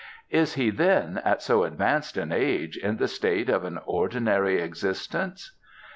"Is he, then, at so advanced an age, in the state of an ordinary existence?"